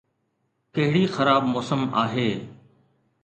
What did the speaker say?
ڪهڙي خراب موسم آهي!